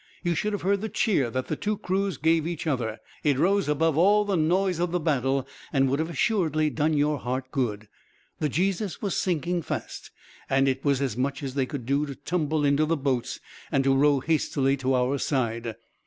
You should have heard the cheer that the two crews gave each other. It rose above all the noise of the battle, and would assuredly have done your heart good. The Jesus was sinking fast, and it was as much as they could do to tumble into the boats, and to row hastily to our side.